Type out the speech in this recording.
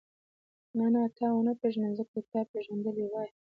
نه نه تا ونه پېژندلم ځکه که تا پېژندلې وای.